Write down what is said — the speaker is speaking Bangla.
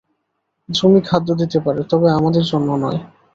জমি খাদ্য দিতে পারে, তবে আমাদের জন্য নয়।